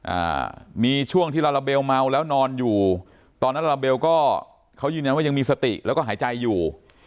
อ่ามีช่วงที่ลาลาเบลเมาแล้วนอนอยู่ตอนนั้นลาลาเบลก็เขายืนยันว่ายังมีสติแล้วก็หายใจอยู่